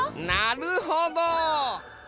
なるほど！